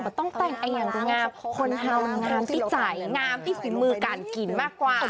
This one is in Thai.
แต่ต้องแต่งอย่างก็งามคนเท่านั้นงามที่ใจงามที่ฝีมือการกินมากกว่า